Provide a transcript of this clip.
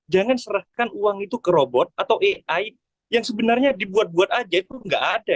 jangan serahkan uang itu ke robot atau ai yang sebenarnya dibuat buat aja itu nggak ada